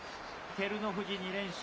照ノ富士２連勝。